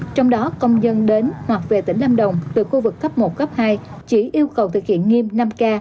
trong đó công dân đến hoặc về tỉnh lâm đồng từ khu vực cấp một cấp hai chỉ yêu cầu thực hiện nghiêm năm k